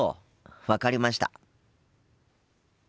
分かりました。